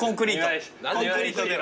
コンクリート出ろ。